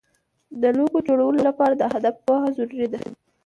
د لوګو جوړولو لپاره د هدف پوهه ضروري ده.